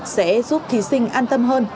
sẽ giúp thí sinh an tâm hơn